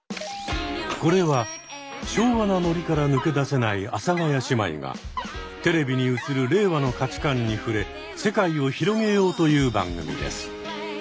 これは昭和なノリから抜け出せない阿佐ヶ谷姉妹がテレビに映る令和の価値観に触れ世界を広げようという番組です。